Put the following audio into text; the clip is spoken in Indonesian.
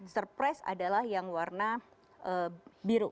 surprise adalah yang warna biru